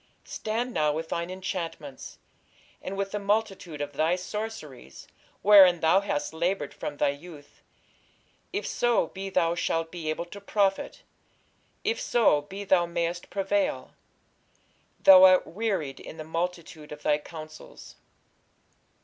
Stand now with thine enchantments, and with the multitude of thy sorceries, wherein thou hast laboured from thy youth; if so be thou shalt be able to profit, if so be thou mayest prevail. Thou art wearied in the multitude of thy counsels.